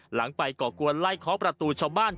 หลังไปก่อกวนไล่เคาะประตูชาวบ้าน